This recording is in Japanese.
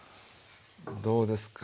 どうですか？